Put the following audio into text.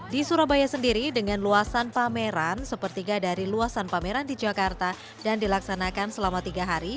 di surabaya sendiri dengan luasan pameran sepertiga dari luasan pameran di jakarta dan dilaksanakan selama tiga hari